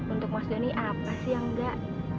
untuk mas doni apa sih yang enggak